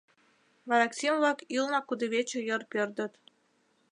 Вараксим-влак ӱлнак кудывече йыр пӧрдыт.